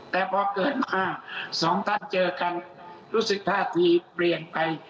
แต่พอเกิดมาสองท่านเจอกันรู้สึกท่าทีเปลี่ยนไป